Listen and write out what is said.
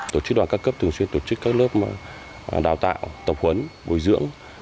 tổ chức đoàn các cấp thường xuyên tổ chức các lớp đào tạo tập huấn bồi dưỡng